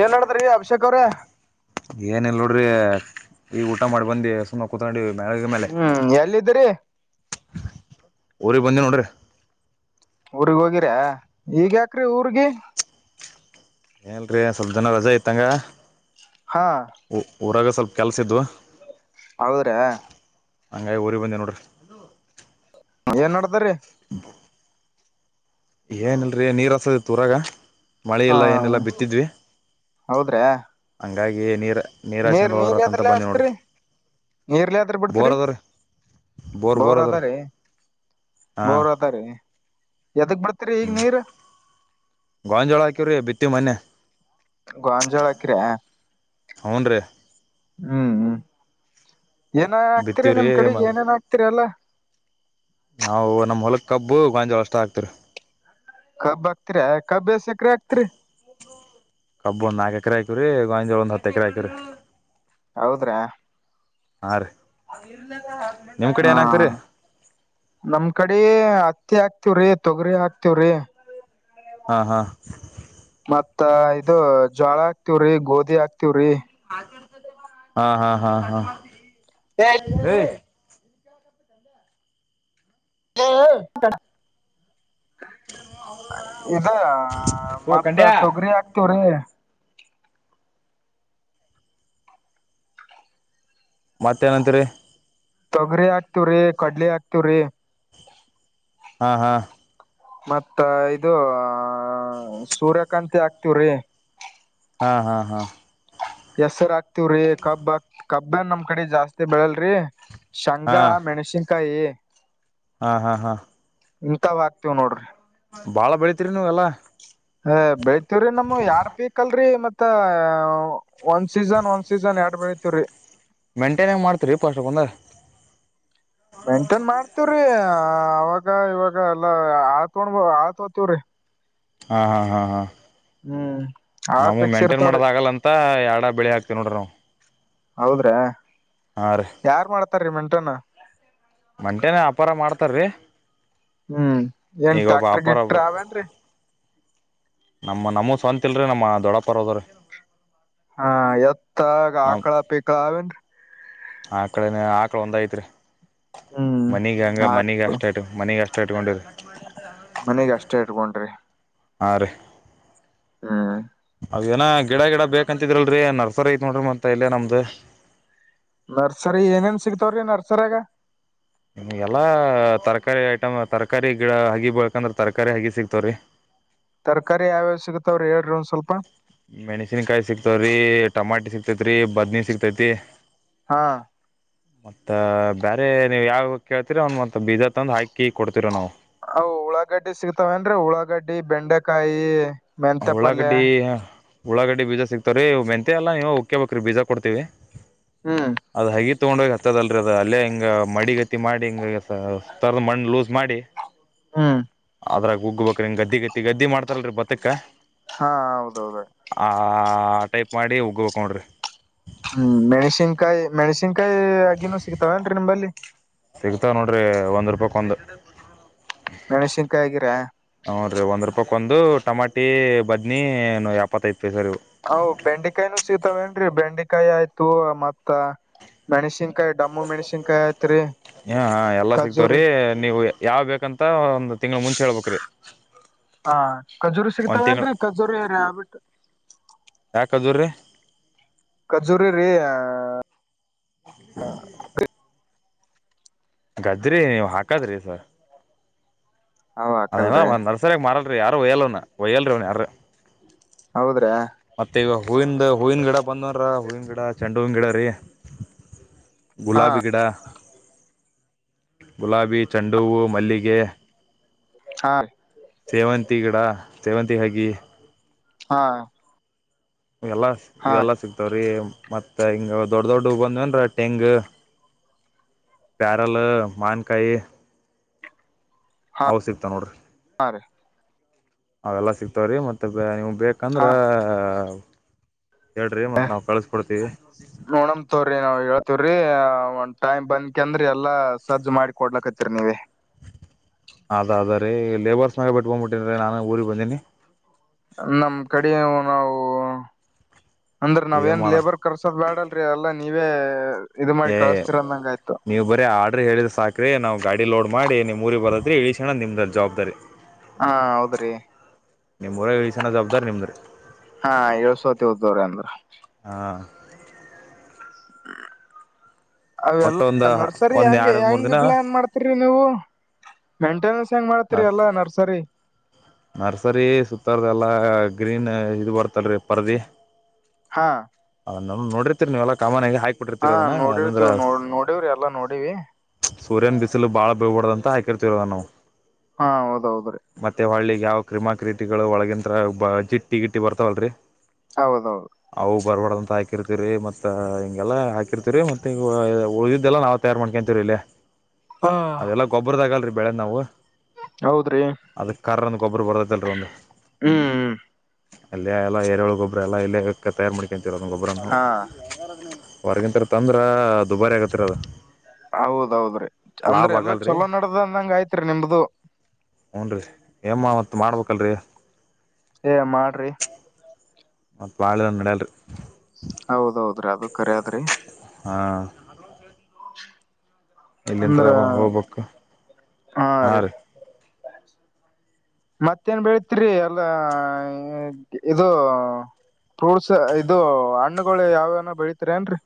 ಏನ್ ನಡದ್ರಿ ಅಭಿಷೇಕ್ ಅವ್ರೆ ಏನ ಇಲ್ಲ ನೋಡ್ರಿ ಈಗಊಟ ಮಾಡ್ಬಂದಿ ಸುಮ್ನೆ ಕೂತ್ಕೊಂಡು ಹ್ಮ್ ಎಲ್ಲಿದ್ದಿರಿ ಊರಿ ಬಂದ ನೋಡ್ರಿ ಊರ್ಗ್ ಹೋಗಿರ ಈಗ ಯಾಕ್ರಿ ಊರ್ಗಿ ಹೇಳ್ ರ ಸ್ವಲ್ ಜನ ರಜಾ ಇತಂಗಾ ಹಾ ಊರಾಗ ಸ್ವಲ್ಪ ಕೆಲಸದವು ಹೌದಾ ಹಂಗಾಗಿ ಊರಿ ಬಂದೆ ನೋಡರಿ ಏನ್ ಮಾಡಡ್ತರಿೀ ಹ ಏನಲ್ರರಿ ನೀರು ಹಸದ ತೂರಾಗ ಮಳೆ ಹಾ ಎಲ್ಲ ಏನೆಲ್ಲ ಬಿತ್ತಿದ್ವಿ ಹೌದ್ರಾ ಹಂಗ ಹಾಗಾಗಿಯೇ ನೀರು ನೀರು ನೀರ್ ಹಾಸ್ಕೊಂಡು ನೀರ್ ಹೋದ್ರತ್ತಂತ ಯದ್ರಲ್ಲ ಬಂದೆ ನೋಡ್ರಿ ಹಸ್ತ್ರಿ ನೀರ್ಲೆದ್ರ ಬಿಡ್ತ್ರಿ ಬೋರ್ ಅದ ರೀ ಬೋರ್ ಅದಾರೀ ಹಾಂ ಬೋರ್ ಅದಾರೀ ಎದಕ್ ಬಿಡ್ ತರಿಗ ನೀರು ಗಾಂಜೋಳ ಹಾಕವ್ರೀ ಬಿತ್ತಿ ಮೊನ್ನೆ ಗಾಂಜೋಳ ಹಾಕಿರ ಹ್ಞೂ ರೀ ಹ್ಮ್ ಹ್ಮ್ ಏನ ಆಗ್ತತಿರಿ ಬಿತ್ತೀವ್ರಿ ನಿಮ್ ಕಡೆಗೆ ಏನೇನ್ ಆಗ್ತಿರಿಲ್ಲ. ನಾವು ನಮ್ ಹೊಲಕ್ ಕಬ್ಬು ಗಂಜಾಳ ಅಷ್ಟ ಆಗ್ತಿರಿ ಕಬ್ಬ ಆಗ್ತೀರಾ ಕಬ್ಬಸಕ್ರ ಆಗ್ತರಿ ಕಬ್ಬು ಒಂದ ನಾಲ್ಕು ಎಕರೆ ಹಾಕಿದೀವಿ ಗಂಜೋಳ ಒಂದು ಹತ್ತು ಎಕರರೆ ಹಾಕಿದೀವಿ ಹೌದ್ರಾ ಹಾ ರೀ ನಿಮ್ ಕಡೆ ಹಾ ಏನಾಗ್ತರಿ ಮತ್ತ ಹಾಕ್ತವ ರೀ ತೊಗರಿ ಹ ಆಕ್ತಿವ ರೀ ಹಾ ಹಾ ಮತ್ತ ಇದು ಜೋಳ ಹಾಕ್ತಿವ್ರಿ ಗೋಧಿ ಹಾಕ್ತಿವ್ರಿ ಹಾ ಹಾ ಹಾ ಹಾ. ಹೇ. ಹೇ ಹಾ. ಇದ ಓ ಮತ್ತ ಕಂಡ್ಯಾ ತೊಗರಿ ಹಾಕ್ತವ್ರಿ. ಮತ್ತೇನಂತರಿ. ತೊಗರಿ ಹಾಕ್ತವ್ರಿ ಕಡಲೆ ಹಾಕ್ತವ್ರಿ. ಹಾ ಹಾ. ಮತ್ತ ಇದು ಸೂರ್ಯಕಾಂತಿ ಆಕ್ತಿವ್ರಿ. ಹಾಂ ಹಾಂ ಹಾಂ. ಹೆಸರು ಆಕ್ತಿವ್ರಿ ಕಬ್ಬ ಕಬ್ಬ ನಮ್ ಕಡೆ ಜಾಸ್ತಿ ಬೆಳಲ್ರಿ. ಹಾ ಶಂಗಾ ಮೆಣಸಿನ್ಕಾಯಿ. [inaudible] ಹಾ ಹಾ ಹಾ. ಇಂತಾವ ಹಾಕ್ತಿವ್ ನೋಡ್ರಿ. ಬಾಳ ಬೆಳತಿರಿ ನೀವ ಎಲ್ಲಾ. ಹಾ ಬೆಡ್. ತವ್ರೀ ನಮವು ಯಾಡ ಪೀಕ್ ಅಲ್ರಿ ಮತ್ತೆ. ಮತ್ತ ಒಂದ್ ಸೀಸನ್ ಒಂದ್ ಸೀಸನ್ ಎರಡ್ ಬೆಳತಿವ್ರಿ. ಮೇಂಟೈನ ಹೆಂಗ ಮಾಡ್ತೀರಿ ಏಪ್ಪ್ ಅಸ್ಟ್ ಬಂದಗ. ಮೇಂಟೇನ್ ಮಾಡ್ತವ್ರಿ ಅವಾಗ ಇವಾಗ ಎಲ್ಲಾ ಆಳ ತೊಂಡ್ ಆಳ ತಗೊಂತೀವ್ರಿ. ಹಾ ಹಾ ಹಾ ಹಾ. ಹ್ಮ್. ಆಳ್ ನಾವು ಪಿಕ್ಸ್ ಮೇಂಟೇನ್ ಇರ್ತಾವ್ರಿ ಮಾಡೋದ ಆಗಲ್ಲ ಅಂತ ಎರಡ ಬೆಳಿ ಹಾಕ್ತಿವ ನೋಡ್ರಿ ನಾವು ಹೌದ್ರಾ ಹಾ ರೀ. ಯಾರ್ ಮಾಡ್ತಾರೀ ಮೆಂಟನ್ ಮಂಟನೇ ಅಪ್ಪಾರ ಮಾಡ್ತಾರ ರೀ. ಹ್ಮ್ ಏನ್ ಟ್ಯಾಕ್ಟರ ಒಬ್ಬ ಗಿಟ್ಟ್ರ ಅವೇನ್ರರಿ. ನಮ್ಮ ನಮ್ಮೂ ಸ್ವಂತ ಇಲ್ರಿ ನಮ್ಮ ದೊಡ್ಡಪ್ಪರ್ ಆದವರಿ. ಹಾ ಯತ್. ಎತ್ತು ಗಾ ಆಕಳಾ ಪೀಕಳಾ ಅವ ಏನ್ರಿ. ಆಕಳೇನ ಆಕಳ ಒಂದ್ ಐತ್ರಿ. ಹ್ಮ್ ಮನಿಗ್ ಹಂಗ ಮನೆಗ ಅಷ್ಟ ಇಟಗಂಡ್ವಿ ಮನೆಗ್ ಅಷ್ಟ. ಇಟಗೊಂಡಿವ್ರಿ. ಮನೆಗೆ ಅಷ್ಟೇ ಇಟ್ಕೊಂಡ್ರಿ ಆ ರೀ. ಹ್ಮ ಹ್ಮು. ಅವ ಏನ ಗಿಡ ಗಿಡ ಬೇಕಂತಿದ್ರಲ್ರಿ ನರ್ಸರಿ ಐತ್ ನೋಡ್ರಿ ಮಂತ ಇಲ್ಲೇ ನಮ್ದು. ನರ್ಸರಿ ಏನೇನ್ ಸಿಗ್ತಾವ್ರೀ ನರ್ಸರಿ. ನರ್ಸರಿ ಯಾಗ. ನಿ ಎಲ್ಲಾ ತರಕಾರಿ ಐಟಮ್ ತರಕಾರಿ ಗಿಡ ಹಗಿ ಬಳ್ಕಂದ್ರ ತರಕಾರಿ ಹಗಿ ಸಿಕ್ತವ್ರಿ. ತರಕಾರಿ ಯಾವ್ಯಾವ ಸಿಗತಾವ್ರಿ ಹೇಳ್ರಿ ಒಂದ್ ಸ್ವಲ್ಪ. ಮೆಣಸಿನ್ಕಾಯಿ ಸಿಕ್ತವ್ರಿ ಟಮಾಟಿ ಸಿಕ್ತೇತ್ರಿ ಬದ್ನಿ ಸಿಕ್ತೇತಿ ಹಾ ಮತ್ತ ಬ್ಯಾರೆ ನೀವ್ ಯಾವ ಕೇಳ್ತಿರ ಅವನ್ ಮತ್ತ ಬೀಜ ತಂದ ಹಾಕಿ ಕೊಡ್ತಿರ ನಾವು ಅವು ಉಳ್ಳಾಗಡ್ಡಿ ಸಿಗ್ತಾವೇನ್ರಿ ಉಳ್ಳಾಗಡ್ಡಿ ಬೆಂಡೆಕಾಯಿ ಮೆಂತೆ ಪಲ್ಯ ಉಳಾಗಡ್ಡಿ ಉಳಾಗಡ್ಡಿ ಬೀಜ ಸಿಕ್ತಾವ್ರೀ ಮೆಂತೆ ಅಲ್ಲ ನೀವೆ ಉಕ್ಕೇಬೇಕ್ರಿ ಬೀಜ ಕೊಡ್ತೀವಿ ಹ್ಮ್ ತಗೊಂಡ್ ಹೋಗಿ ಹತ್ತದಲ್ರಿ ಅದ ಅಲ್ಲೇ ಹಿಂಗ ಮಡಿಗತಿ ಮಾಡಿ ಹಿಂಗ ತರದ ಮಣ್ಣ ಲೂಸ್ ಮಾಡಿ ಹ್ಮ್. ಅದ್ರಾಗ ಉಬ್ಬಬೇಕ್ರಿ ಗದ್ದಿಗತೆ ಗದ್ದಿ ಮಾಡತರಲ್ರಿ ಬತ್ತಕ್ಕ. ಹಾ ಹೌದೌದು ಆ ಟೈಪ್ ಮಾಡಿ ಉಗ್ಬಕ ನೋಡ್ರಿ ಹ್ಮ್ ಮೆಣಸಿನ್ಕಾಯಿ ಮೆಣ್ಸಿನ್ಕಾಯಿ ಅಗಿನೂ ಸಿಗ್ತಾವೇನ್ರಿ ನಿಂಬಲ್ಲಿ ಸಿಗ್ತಾವ ನೋಡ್ರಿ ಒಂದು ರೂಪಾಯಿ ಕೊಂದು ಮೆಣಸಿನಕಾಯಿ ಅಗಿರ್ಯ ನೋಡರಿ ಒಂದು ರೂಪಾಯಿಕೊಂದು ಟಮಾಟಿ ಬದನಿ ಎಪ್ಪತ್ತೈದ ಅವು ಬೆಂಡೆಕಾಯಿನು ಸಿಗ್ತವೆನ್ ರಿ ಬೆಂಡೆಕಾಯಿ ಆಯ್ತು ಮತ್ತ ಮೆಣಸಿನ್ ಹ ಹ ಎಲ್ಲಾ ಖಜೂರಿ ಸಿಗ್ತವ್ರಿ ನೀವು ಯಾವ್ ಬೇಕಂತ ಒಂದು ಹಾ ಖಜೂರು ಒಂದ್ ತಿಂಗಳ ಸಿಗ್ತಾವೇನ್ರಿ ಖಜೂರಿ ರ್ಯಾಬಿಟ್. ಯಾ ಖಜೂರರಿ. ಖಜೂರಿ ರೀ. ಹಾ. [inaudible] ಗದ್ರಿ ನೀವು ಹಾಕದ್ರಿ ಸರ್. ಅವ ಅದೇನ ಹಾಕಲ್ರಿ ಒನ ನರ್ಸರಿಗ್ ಮಾರಲ. ಯಾರು ಒಯಲ್ ಅವ್ನ. ಒಯ್ಯಲ್ರಿ ಅವನ ಯಾರ ಹೌದ್ರಾ ಮತ್ತ ಈಗ ಹೂವಿಂದ ಹೂವಿನ ಗಿಡ ಬಂದವನ್ರ ಹೂವಿನ ಗಿಡ ಚಂಡ. ಹೂವಿಂಗಿಡರಿ. ಹಾ ಗುಲಾಬಿ ಗಿಡ. ಗುಲಾಬಿ ಚೆಂಡೂಹೂವು ಮಲ್ಲಿಗೆ. ಹಾ ಸೇವಂತಿ ಗಿಡ ಸೇವಂತಿ ಹಗಿ. ಹಾ. ಇವೆಲ್ಲ ಹಾ ಇವೆಲ್ಲ ಸಿಗ್ತಾವ್ರೀ. ಮತ್ತ ಹಿಂಗ ದೊಡ್ಡ ದೊಡ್ಡ ಬಂದು ಅಂದ್ರ ಟೆಂಗ ಪ್ಯಾರಲ್ ಮಾನ್ಕಾಯಿ. ಅವ ಸಿಗತವ್ ನೋಡ್ರಿ. ಹಾ ರೀ ಅವೆಲ್ಲಾ ಸಿಕ್ತವ್ರಿ ಮತ್ತೆ ಬ್ಯ ನೀವು. ಬೇಕಂದ್ರ. ಹೇಳ್ರಿ ಹ ಮತ್ ನಾವ್ ಕಳ್ಸಕೊಡ್ತೀವಿ ನೋಣಮ ತೋ್ರಿ ನಾವವು ಹೇಳ ವ್ರೀ ಒಂದ್ ಟೈಮ್ ಬಂದಕ ಅಂದ್ರ ಎಲ್ಲಾ ಸಜ್ಜ ಮಾಡಿ ಕೊಡ್ಲಕ್ತ್ತೀರಿ ನೀವೆ. ಅದ ಅದ ರೀ ಲೇಬರ್ಸ್ನಾಗ ಬಿಟ್ಕೊಂಡ್ಬಿಟ್ಟನಿ ರೀ ನಾನು ಊರಿಗ ಬಂದೀನಿ. ನಮ್ಮ್ ಕಡೆ ನಾವು ಅಂದ್ರ ನಾವ್ ಏನ್ ಲೇಬರ್ ಕರ್ಸೋದ ಬ್ಯಾಡ ಅಲ್ರಿ ಎಲ್ಲ ನೀ ನೀವೆ ಏ ನೀವು ಬರೀ ಆರ್ಡ್ರ ಹೇಳಿದ್ರ ಸಾಕ್ರಿ ನಾವ್ ಗಾಡಿ ಲೋಡ್ ಮಾಡಿ ನಿಮ್ಮೂರಿಗೆ ಬರತ್ತರಿ ಇಲಸ್ಕ್ಯನದ್ ನಿಮ್ದ ಜವಾಬ್ದಾರಿ. ಹಾ ಹೌದ್ರಿ ನಿಮ್ ಊರಾಗ ಇಳಿಸೋಣ ಜವಾಬ್ದಾರಿ ನಿಮ್ದ್ರಿ ಹಾ ಇಳ್ಸ್ಕೊತೆವ್ ತೊಗರಿ ಅಂದ್ರ. ಹಾ [unintelligible] ಒಟ್ಟ ಅವೆಲ್ಲಾ ಒಂದ ನರ್ಸರಿ ಒಂದ್ ಹೆಂಗ ಎರಡ್ ಮೂರ್ ಹೆಂಗ ಪ್ಲಾನ್ ದಿನ ಮಾಡ್ತಿರಿ ನೀವು? ಮೇಂಟನೆನ್ಸ್ ಹೆಂಗ್ ಮಾಡ್ತರಿ ಅಲ್ಲಾ ನರ್ಸರಿ. ನರ್ಸರಿ ಸುತ್ತಾರದೆಲ್ಲಾ ಗ್ರೀನ್ ಇದ ಬರ್ತದಲ್ರಿ ಪರ್ದಿ. ಹಾ ನಮ್ ನೋಡರ್ತಿರಿ ನೀವೆಲ್ಲ ಕಾಮನ್ ಆಗಿ. ಹಾ ಹಾಕ್ಬಿಟ್ಟಿರ್ತಿರದನ ಅದಂದ್ರ ನೋಡಿರ್ತಿವಿ ನೋಡ್ ನೋಡವ್ರಿ ಎಲ್ಲಾ ನೋಡಿವಿ ಸೂರ್ಯನ ಬಿಸಿಲು ಬಾಳ ಬೀಳಬಾರದ ಅಂತ ಹಾಕಿರ್ತಿವ್ ಅದನ್ನ ನಾವ. ಹಾ ಹೌದೌದ್ರೀ. ಯಾವ್ ಕ್ರಿಮಾ ಕ್ರಿಟಗಳು ಒಳಗಿನ್ತರ ಬ ಜಿಟ್ಟಿ ಗಿಟ್ಟಿ ಬರ್ತಾವಲ್ರರಿ ಹೌದೌದು. ಬರ್ಬಾರದಂತ ಹಾಕಿರ್ತಿರಿ ಮತ್ತ ಹಿಂಗೆಲ್ಲ ಹಾಕಿರ್ತಿರಿ ಮತ್ತ ಉಳಿದಿದ್ದೆಲ್ಲ ನಾವ ತಯಾರ್ ಮಾಡ್ಕೊಂತೀರಿ ಇಲ್ಲೆ. ಹ ಅದೆಲ್ಲಾ ಗೊಬ್ಬರದಗಲ್ರಿ ಬೆಳೆ ನಾವು ಹೌದ್ರಿ. ಅದಕ್ ಕರ್ರ ಅಂದ್ ಗೊಬ್ಬರ ಬರತ ತಲರೋಂದ ಹ್ಮ್ ಅಲ್ಲ ಎಲ್ಲ ಎರಳ ಗೊಬ್ರ ಎಲ್ಲ ಇಲ್ಲ ತಯಾರ್ ಮಾಡಕ ಸರಂದು ಗೊಬ್ಬರ [unintelligible] ಹಾ ಹೊರಗಿಂತ್ರ ತಂದ್ರ ದುಬಾರಿ ಆಗತ್ತರಿ ಅದ. ಹೌದೌದ್ರಿ ಅಂದ್ರ ಎಲ್ಲಾ ಚೊಲೋ ನಡ್ದ ಅಂದಂಗ ಆಯ್ತ್ರಿ ನಿಮ್ದು. ಹುನ್ರೀ. ಏಮ್ಮವತ್ತು ಮಾಡ್ಬೇಕಲ್ರಿ. ಏ ಮಾಡ್ರಿ. ಮತ್ತ ಭಾಳ ದಿನಾ ನಡೆಯಲ್ರಿ. ಹೌದೌದ್ರಿ ಅದು ಖರೆ ಆದ್ರಿ. ಹಾಂ [unintelligible] ಇಲ್ಲಿಂತ್ರ ಅಂದ್ರ ಹೋಗ್ಬೇಕು ಹಾ ರೀ. ಮತ್ತೇನ್ ಬೆಳತಿರಿ ಎಲ್ಲ ಇದು ಫ್ರೂಟ್ಸ್ ಇದು ಹಣ್ಣುಗಳು ಯಾವ ನೋ ಬೆಳತಿರಿ ಏನ್ರರಿ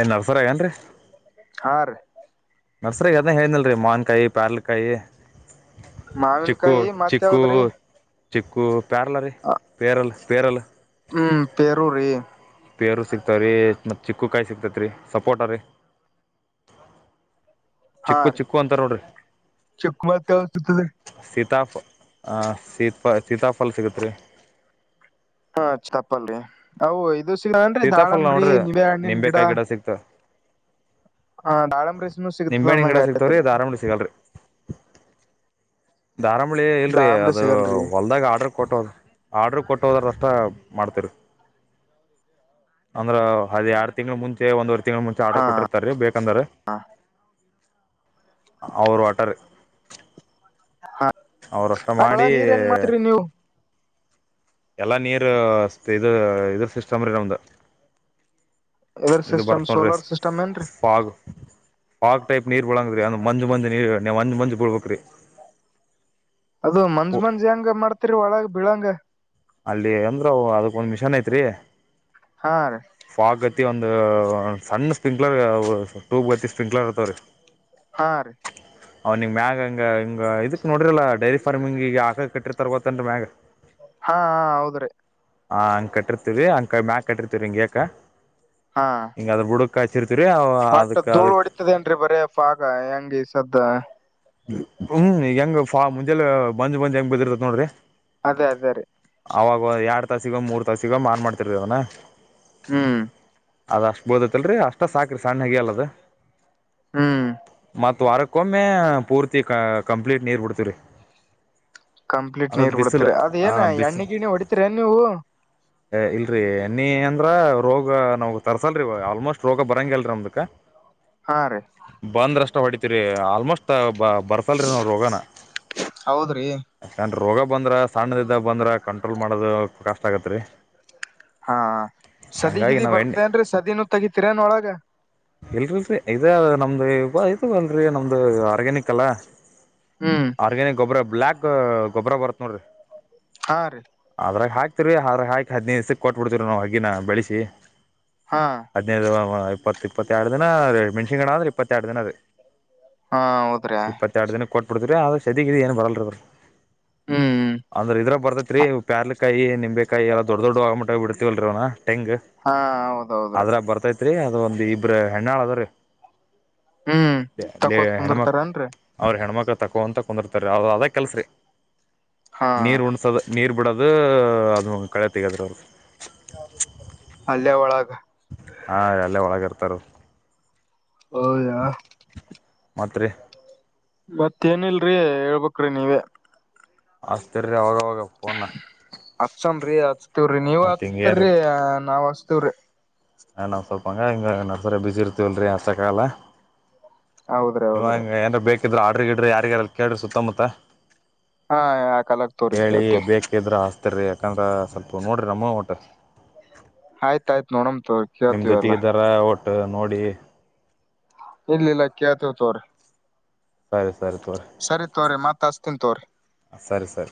ಏ ನರ್ಸರಗೇನ್ರರಿ ಆರೀ ನರ್ಸರಿ ಅದ ಹೇಳನಿಲ್ರರಿ ಮಾವನ್ಕಾಯಿ ಪ್ಯಾರ್ಲ್ಕಾಯಿ ಮಾವಿನ ಕಾಯಿ ಮತ್ತ್ ಯಾವದ್ರಿ ಚಿಕ್ಕು ಪ್ಯರ್ಲರಿ ಪೇರಲ್ ಪೇರಳ ಹ್ಮ್ ಪೆರೂರಿ ಪೇರು ಸಿಗ್ತಾವ ರೀ ಮತ್ತು ಚಿಕ್ಕುಕಾಯಿ ಸಿಗ್ತತ್ ರೀ ಸಪೋಟ ರೀ ಹಾ ಚಿಕ್ಕು ರೀ ಚಿಕ್ಕು ಅಂತಾರೆ ನೋಡಿರಿ ಚುಕ್ಮವಸ್ [unintelligible] ಸೀತಾಫ ಹಾಂ ಸೀತ ಸೀತಾಫಲ್ ಸಿಗತ್ ರೀ ಹಾ ತಪ್ಪಲ್ರಿ ಅವು ಇದು ನ್ರಿ ಸೀತಾಫಲ್ ದಾಳಂಬ್ರಿ ನೋಡಿರಿ ನೀವೇ ಹಣ್ಣಿನ್ ಗಿಡ ನಿಂಬೆಕಾಯಿ ಸಿಗ್ತವೆ ಹ ದಾಳಂಬ್ರೀಸನು ಸಿಗ್ತದ ಅನ್ನಗ್ ಆಗತೈಯ್ತ್ರಿ ಹ ಧಾರಂಬುಳಿ ಇಲ್ಲರಿ ದಾಳಂಬ್ರಿ ಅದು ಸಿಗಲ್ರಿ ಹೊಲ್ದಾಗ ಆರ್ಡ್ರ್ ಕೊಟ್ಟೋದು ಆರ್ಡರು ಕೊಟ್ಟೋದ್ರಷ್ಟ ಮಾಡ್ತೀರಿ ಅಂದ್ರ ಅದ್ ಯರಡ್ ತಿಂಗಳ ಮುಂಚೆ ಒಂದ್ ವರ್ ತಿಂಗಳು ಮುಂಚೆ ಆರ್ಡರ್ ಕೊಟ್ಟಿರ್ತಾರೆ ರೀ ಬೇಕಂದ್ರೆ ಅವರ್ ವಾಟರ್ ಹ ನೀರ್ ಹೆಂಗ ಮಾಡ್ತರಿ ನೀವು ಎಲ್ಲಾ ನೀರ್ ಇದ ಇದ್ರ ಸಿಸ್ಟಮ್ರೀ ನಮ್ದ ಇದರ್ ಇದು ಸಿಸ್ಟಮ್ ಬರ್ತ ನೋಡ್ರೆ ಸೋಲಾರ್ ಸಿಸ್ಟಮ್ ಏನ್ರೀ ಪಾಗ್ ಪಾಕ್ ಟೈಪ್ ನೀರ್ ಬಳಂಗದ್ರೀ ಅಂದ್ ಮಂಜು ಮಂಜ್ ನೀರ್ ನೀ್ ಮಂಜ್ ಮಂಜ್ ಬಳ್ಬೇಕ್ರಿ. ಅದು ಮಂಜ್ ಮಂಜ್ ಹೆಂಗ ಮಾಡ್ತಿರಿ ಒಳಗೆ. ಬಳಂಗು. ಅಲ್ಲಿ ಅಂದ್ರ ಅದಕ್ ಒಂದ್ ಮಿಷನ್ ಐತ್ರಿ. ಹಾ ರೀ ಫಾಗತಿ ಒಂದ್ ಸನ್ ಸ್ಪ್ರಿಂಕ್ಲರ್ ಟ್ಯೂಬ್ ವಸಿಸ್ ಸಿಂಕ್ಲಆರ್ತಾರೆ ಹಾ ರೀ ಅವ್ನಿಂಗ್ ಮಾಗ ಹಂಗಿಂಗ ಇದಕ್ ನೋಡ್ರರಿಲ್ಲ ಡೈರಿ ಫಾರ್ಮಿಂಗ್ ಈಗ ಆಕ ಕಟ್ಟಿರ್ತಾರಗೋತ್ತನ್ ಮ್ಯಾಗ ಹಾ ಹೌದ್ರಿ ಹಾ ಅಂಗ್ ಕಟ್ಟರ್ತಿವ್ರಿ ಅ ಮ್ಯಾ ಕಟ್ಟಿತಿವ್ರಿ ಇಂಗೆಕ ಹಾ ಈಂಗ ಅದ ಬಿಡುಕ್ ಕಾಸಿರ್ ಒಟ್ಟ ಧೂಳ್ು ಹೊಡತದೇಏನ್ರರಿ ಬರಪ್ಪ ಆಗ ಹೆಂಗ ಸದ. ಹ್ಮ್ ಹೆಂಗ ಫ ಮುಂಜೆಲ್ಲ ಬಂದಜ್ ಬಜ್ ಹೆಂಗ್ ಬದಿರ್ತತ್ ನೋಡ್ರಿ. ಅದೇ ಅದೇ ರೀ. ಆವಾಗ ಎರಡು ತಾಸಿಗೋ ಮೂರು ತಾಸಿಗೋ ಮಾರ ಮಾಡ್ತಿರ್ ಅವನ. ಹ್ಮ್. ಅದ ಅಷ್ಟ್ ಬೋದತ್ತಲ್ರರಿ ಅಷ್ಟ ಸಾಕು. ಸಣ್ಣ ಹಲ್ಲ ಹ್ಮ್ ಮಾರ. ಕೊಮ್ಮೆ. ಪೂರ್ತಿ ಕ ಕಂಪ್ಲೀಟ್ ನೀರು ಬಿಡ್ತೀವಿ ರೀ. ಕಂಪ್ಲೀಟ್ ನೀರ್ ಬಿಡತೀರಿ ಅದ ಏನ ಎಣ್ಣಿ ಗಿಣ್ಣಿ ಹೊಡಿತೀರಿ ಏನ್ ನೀವು ಇಲ್ರರಿ ಎ ನೀಿ ಅಂದ್ರ ರೋಗ ನಾವಗ್ ತರ್ಸಲ್ರಿ ಆಲ್ಮೋಸ್ಟ್ ರೋಗ ಬರಂಗ ಅಲ್ರರಿ ನಮ್ದಕ್. ಹಾ ರೀ ಬ ರಷ್ಟ. ಪಡಿತೀ ರೀ ಆಲ್ಮೋಸ್ಟ್. ತಬ. ಬರ್ತಲ್ ರೀ ನಾವು ರೋಗನಾ. ಹೌದ್ರಿ ರೋಗ ಬಂದ್ರೆ ಸಣ್ಣದಿಂದ ಬಂದ್ರೆ ಕಂಟ್ರೋಲ್ ಮಾಡೋದು ಕಾಷ್ಟ ಆಗತ್ತ ರೀ. ಹಾ ಸದಗಿದಿ ಎಣ್ಣೆ ಬರ್ತೇನ್ರಿ ಸದಿನೂ ತಗತಿೀರನ್ೊಳಗ. ಇಲ್ರಿಲ್ರರಿ ಇದೇ ನಮ್ದ್ ಇ ಅಲ್ರರಿ ನಮ್ದು ಆರ್ಗ್ಯನಿಕ್ ಅಲ್ಲ. ಹ್ಮ್ ಆರ್ಗ್ಯಾನಿಕ್ ಗೊಬ್ಬರ. ಬ್ಲ್ಯಾಕ್ ಗೊಬ್ಬರ ಬರುತ್ತತ್ ನೋಡಿರಿ. ಹಾ ರೀ ಅದ್ರಾಗ ಹಾಕ. ಹಯಕಕ್ ಹದಿನೈದು ದ್ಸಕ್ ಕೊಟ್ಬ ಬಿಡ್ತತಿರಿ ನಾವು ಹಗ್ಗಿನ ಬೆಳಸಿ. ಹಾ ಹದ್ಿನೈದು. ಪ್ಪತ್ತು. ಇಪ್ಪತ್ತೆರಡು ದಿನ ಮೆಣಸಿಂಗಣ ಆದ್ರ ಇಪ್ಪತ್ತೆರಡು ದಿನ ಅದು ಹಾ ಹೌದ್ರಿ ಇಪ್ಪತ್ತೆರಡು ದಿನಕ್ಕೆ ಕೊಟ್ಬಿಡ್ತರಿ ಆದ. ಸತಗತಿ ಏನು ಬರಲ್ಲರ ಬರ್ ಹ್ಮ್ ಅಂದ್ರೆ ಇದ್ರ ಬರ್ತ ರೀ ಪ್ಯಾರ್ಾಲಕಾಯಿ ನಿಂಬೆಕಾಯಿ ಎಲ್ಲ ದೊಡ್ಡ ದೊಡ್ಡೋಗಿಟ್ಟ್ ಬಿಡ್ತವಲ್ರಿ ಅವ್ನ. ಟೆಂಗ್ ಹಾ ಹೌದೌದ್ರಿ ಅದ್ರ ಬರ್ತೈತಿ. ಅದು ಒಂದು. ಅರ ಹೆಣ್ಣಳದರು. ಹ್ಮ್ ತಕೋತ್ ಹೆಣ್ಮಕ್ ಕುಂದಿರ್ತಾರನ್ರಿ ಅವ್ರ ಹೆಣ್ಮಕ್. ತಕೋ ಅಂತ ಕುಂದಿರ್ತಾರೆ ಯಾವದಾಗ ಕೆಲಸ್ರೀ. ಹಾ ನೀರು ಉಣಿಸದ. ನೀರು ಬಿಡೋದು ಅದು ಕಳೆಯ ತೆಗೆದ್ರ ಅವರು ಅಲ್ಲಯ ಒಳಾಗ ಹಾ ಎಲ್ಲೇ ಒಳಗ ಇರ್ತಾರ ಹೌದಾ ಮಾತ್ತೆ ಮತ್ತೇಏನಲ್ರಿ ಹೇಳ್ಬೇಕು ನೀವೇ ಆಸ್ತ ಅವಾಗಾಗ ಹತ್ಸನ್ರಿ ಹಚ್ತವ್ರಿ ನೀವ ಮತ್ ಹಿಂಗ ಹಚ್ತರಿರಿ ನಾವ್ ತ್ತರ ನಾನು ಸ್ವಲ್ಪ ಅಂಗ-ಇಂಗ ಸರ ಬಿಸಿ ಇರ್ತೀವಲ್ರರಿ ಅಚ್ಚಕಾಗಲ್ಲ ಹೌದ್ರಿ ಹೌದ್ರಿ ಕಿದ್ರರು ಹಾರ್ಟ್ರು ಇಡ್ರಿ ಯಾರಿಗೆಾರ ಕೇಳ್ರಿ ಸುತ್ತಮುತ್ತ ಹಾ ಯಾ ಕಾಲಕ್ ತುರಿ ಕೇಳ್ತೀವಿ ಇತೀ ಯಾಕಂದ್ರೆ ಸ್ವಲ್ಪ ನೋಡಿರಿ ಅಮ್ಮ ಟು ಆಯ್ತು ಆಯ್ತು ನೋಡಣ ನಿಮ್ ಜೊತೆಗ್ದಾರ ಒಟ್ಟ ನೋಡಿ ಇಲ್ಲ ಇಲ್ಲ ಕೇಳ್ತೀನಿ ತಗೋಲಾರಿ ಸರಿ ಸರಿ ತೋರಿ ಸರಿ ತೂರಿ ಮಾತಾ ಅಸ್ತನ್ ತೋರಿ ಸರಿ ಸರಿ